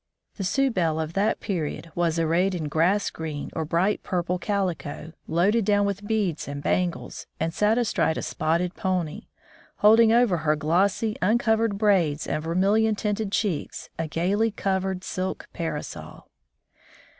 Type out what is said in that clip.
The Sioux belle of that period was arrayed in grass green or bright purple calico, loaded down with beads and bangles, and sat astride a spotted pony, holding over her glossy uncovered braids and vermilion tinted cheeks a gaily colored silk parasol.